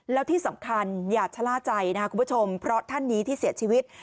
แล้วที่สำคัญอย่าชะล่าใจนะครับคุณผู้ชมเพราะท่านนี้ที่เสียชีวิต